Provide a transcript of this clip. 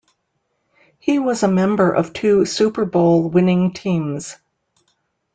He was a member of two Super Bowl-winning teams.